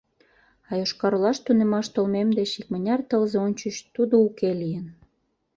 А Йошкар-Олаш тунемаш толмем деч икмыняр тылзе ончыч тудо уке лийын...